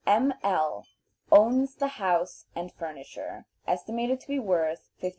M. L. owns the house and furniture, estimated to be worth $15,000.